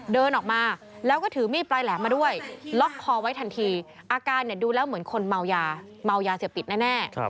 เดินออกมาแล้วก็ถือมีดปลายแหลมมาด้วยล็อกคอไว้ทันทีอาการดูแล้วเหมือนคนเมายาเมายาเสพติดแน่